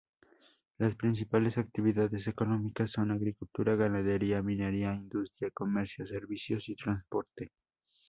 Las principales actividades económicas son: agricultura, ganadería, minería, industria, comercio, servicios y transporte.